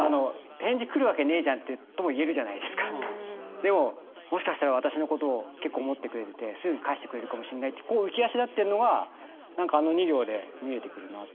でももしかしたら私のことを結構思ってくれててすぐに返してくれるかもしんないって浮き足立ってんのが何かあの２行で見えてくるなって。